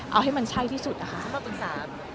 เอาให้มันใช่ที่สุดอ่ะค่ะ